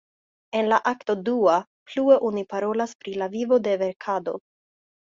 En la akto dua, plue oni parolas pri la vivo de verkado.